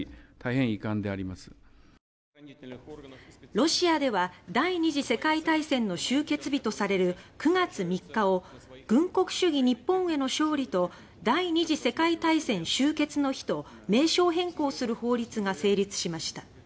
ロシアでは、第２次世界大戦の終結日とされる９月３日を「軍国主義日本への勝利と第２次世界大戦終結の日」と名称変更する法律が成立しました。